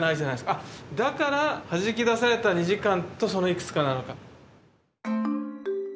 あっだから「弾き出された２時間と、そのいくつか」なのか。